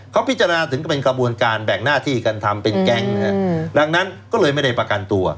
เขาพิจารณาถึงก็เป็นกระบวนการแบ่งหน้าที่กันทำเป็นแก๊งดังนั้นก็เลยไม่ได้ประกันตัว